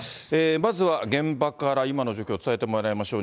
まずは現場から今の状況を伝えてもらいましょう。